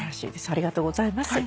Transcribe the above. ありがとうございます。